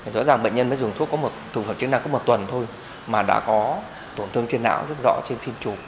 rõ ràng bệnh nhân mới dùng thuốc có một tuần thôi mà đã có tổn thương trên não rất rõ trên phim trục